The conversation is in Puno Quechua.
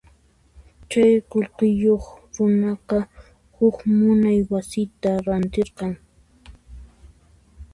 Chay qullqiyuq runaqa huk munay wasita rantirqan.